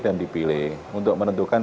dan dipilih untuk menentukan